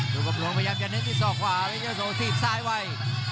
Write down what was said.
ลูกกำลวงพยายามจะเน้นที่ศอกขวาเป็นเจ้าโสว์ทีบซ้ายไว้